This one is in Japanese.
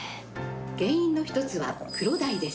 原因の１つはクロダイです。